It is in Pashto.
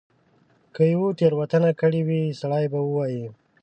که یوه تیره وتنه کړې وي سړی به ووایي.